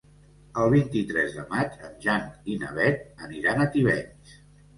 El vint-i-tres de maig en Jan i na Beth aniran a Tivenys.